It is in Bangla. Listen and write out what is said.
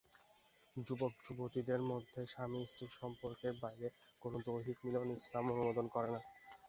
যুবক-যুবতীর মধ্যে স্বামী-স্ত্রী সম্পর্কের বাইরে কোনো দৈহিক মিলন ইসলাম অনুমোদন করে না।